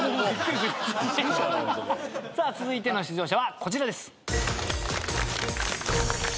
続いての出場者はこちらです。